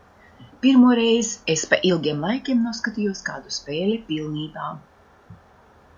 Pirmoreiz es pa ilgiem laikiem noskatījos kādu spēli pilnībā.